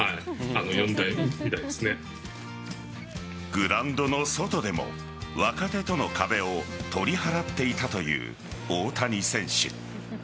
グラウンドの外でも若手との壁を取り払っていたという大谷選手。